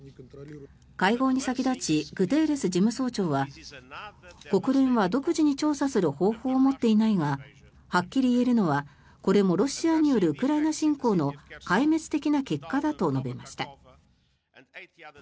会合に先立ちグテーレス事務総長は国連は独自に調査する方法を持っていないがはっきり言えるのはこれもロシアによるウクライナ侵攻の壊滅的な結果だと述べました。